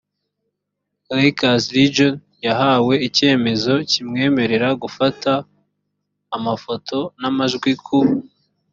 lakes region yahawe icyemezo kimwemerera gufata amafoto n amajwi ku